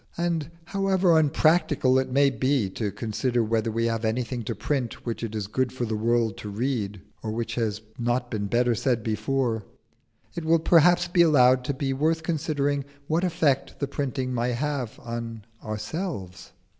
And however unpractical it may be held to consider whether we have anything to print which it is good for the world to read, or which has not been better said before, it will perhaps be allowed to be worth considering what effect the printing may have on ourselves.